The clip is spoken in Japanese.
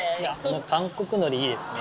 韓国のり、いいですね。